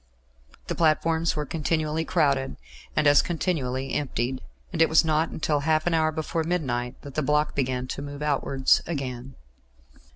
The platforms were continually crowded, and as continually emptied, and it was not until half an hour before midnight that the block began to move outwards again.